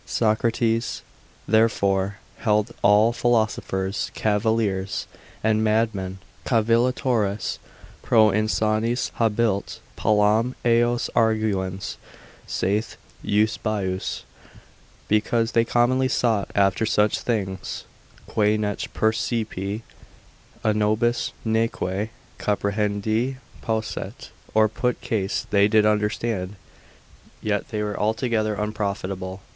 Socrates, therefore, held all philosophers, cavillers, and mad men, circa subtilia Cavillatores pro insanis habuit, palam eos arguens, saith Eusebius, because they commonly sought after such things quae nec percipi a nobis neque comprehendi posset, or put case they did understand, yet they were altogether unprofitable.